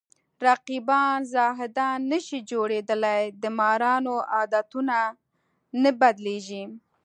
رقیبان زاهدان نشي جوړېدلی د مارانو عادتونه نه بدلېږي